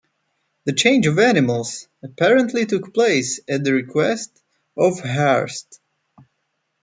The change of animals apparently took place at the request of Hearst.